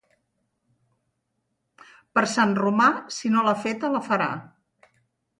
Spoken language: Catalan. Per Sant Romà si no l'ha feta la farà.